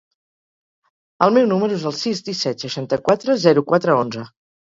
El meu número es el sis, disset, seixanta-quatre, zero, quatre, onze.